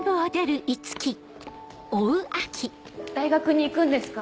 大学に行くんですか？